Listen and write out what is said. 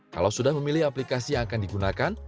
kalau sudah memilih aplikasi yang akan digunakan